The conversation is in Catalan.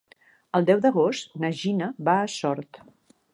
El deu d'agost na Gina va a Sort.